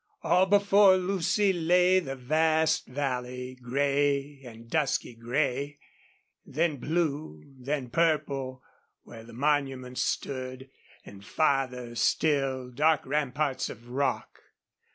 All before Lucy lay the vast valley, gray and dusky gray, then blue, then purple where the monuments stood, and, farther still, dark ramparts of rock.